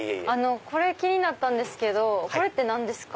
これ気になったんですけどこれって何ですか？